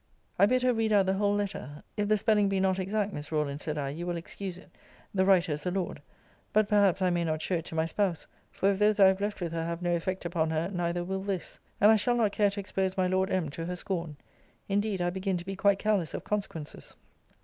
I bid her read out the whole letter. If the spelling be not exact, Miss Rawlins, said I, you will excuse it; the writer is a lord. But, perhaps, I may not show it to my spouse; for if those I have left with her have no effect upon her, neither will this: and I shall not care to expose my Lord M. to her scorn. Indeed I begin to be quite careless of consequences.